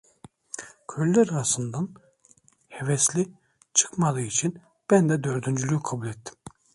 Köylüler arasından hevesli çıkmadığı için ben de dördüncülüğü kabul ettim.